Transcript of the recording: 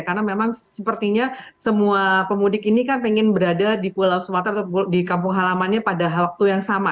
karena memang sepertinya semua pemudik ini kan pengen berada di pulau sumatera atau di kampung halamannya pada waktu yang sama